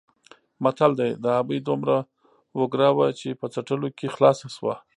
متل دی: د ابۍ دومره وګره وه چې په څټلو کې خلاصه شوه.